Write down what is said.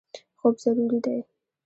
خوب ضروري دی.